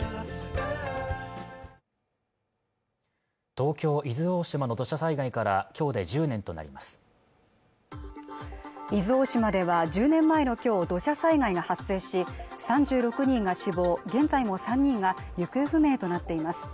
東京伊豆大島の土砂災害からきょうで１０年となります伊豆大島では１０年前の今日、土砂災害が発生し３６人が死亡現在も３人が行方不明となっています